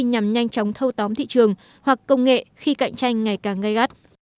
nhằm nhanh chóng thâu tóm thị trường hoặc công nghệ khi cạnh tranh ngày càng gây gắt